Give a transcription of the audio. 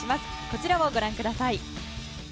こちらをご覧ください。